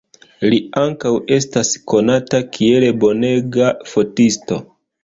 Li ankaŭ estas konata kiel bonega fotisto.